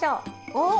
おっ！